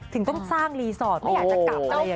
ถึงต้องสร้างรีสอร์ทไม่อยากจะกลับอะไรอย่างนี้